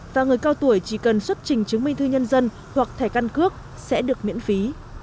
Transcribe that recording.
và người cao tuổi chỉ cần xuất trình chứng minh thư nhân dân hoặc thẻ căn cước sẽ được miễn phí